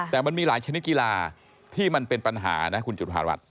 แต่มันมีหลายชนิดกีฬาที่มันเป็นปัญหานะคุณจุธารัฐ